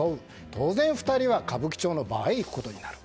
当然２人は歌舞伎町のバーに行くことになる。